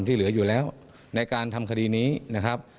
ที่เหลืออยู่แล้วในการทำคดีนี้นะครับ